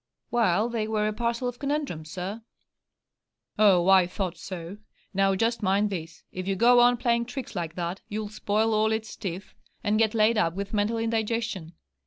'Well, they were a parcel of conundrums, sir.' 'Ah, I thought so. Now just mind this: if you go on playing tricks like that, you'll spoil all its teeth, and get laid up with mental indigestion.